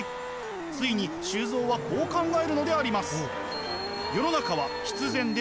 ついに周造はこう考えるのであります。